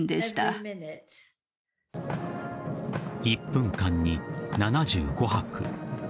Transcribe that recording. １分間に７５拍。